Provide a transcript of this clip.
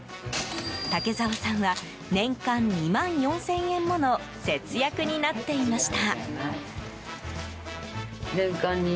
竹澤さんは年間２万４０００円もの節約になっていました。